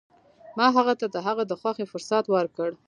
ما هغه ته د هغه د خوښې فرصت ورکړ.